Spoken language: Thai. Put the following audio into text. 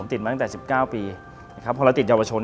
ผมติดมาตั้งแต่๑๙ปีเพราะเราติดเยาวชน